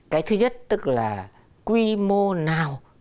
cái thứ nhất tức là quy mô nào